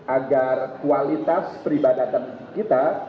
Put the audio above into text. agar kualitas peribadatan kita